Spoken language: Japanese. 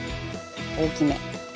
大きめ。